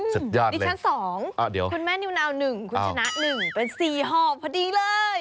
สุดยอดเลยอืมในชั้น๒คุณแม่นิวนาว๑คุณชนะ๑เป็น๔ห้อพอดีเลย